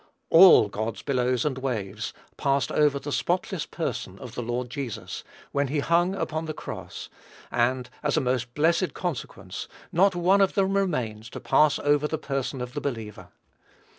"All God's billows and waves" passed over the spotless person of the Lord Jesus, when he hung upon the cross; and, as a most blessed consequence, not one of them remains to pass over the person of the believer.